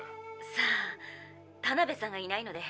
さあタナベさんがいないので。